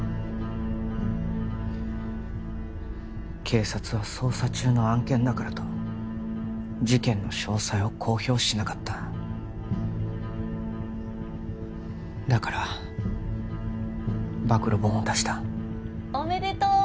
警察は捜査中の案件だからと事件の詳細を公表しなかっただから暴露本を出したおめでとう！